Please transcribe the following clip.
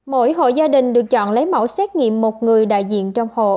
mỗi hộ gia đình được chọn lấy mẫu xét nghiệm một người đại diện trong hộ